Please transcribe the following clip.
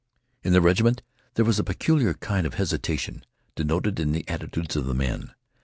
In the regiment there was a peculiar kind of hesitation denoted in the attitudes of the men.